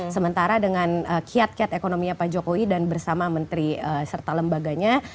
sementara dengan kiat kiat ekonominya pak jokowi dan bersama menteri serta lembaganya